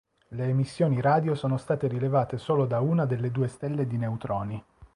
Le emissioni radio sono state rilevate solo da una delle due stelle di neutroni.